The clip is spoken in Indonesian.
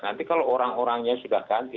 nanti kalau orang orangnya sudah ganti